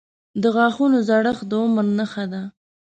• د غاښونو زړښت د عمر نښه ده.